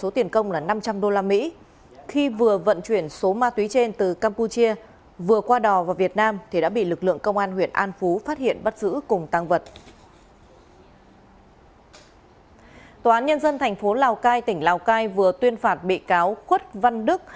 tòa án nhân dân thành phố lào cai tỉnh lào cai vừa tuyên phạt bị cáo khuất văn đức